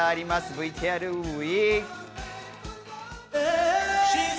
ＶＴＲＷＥ！